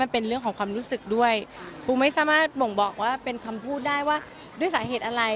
ปูไม่สามารถบ่งบอกว่าเป็นความพูดได้ว่าด้วยสาเหตุอะไร